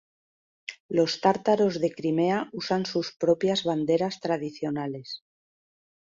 Los tártaros de Crimea usan sus propias banderas tradicionales.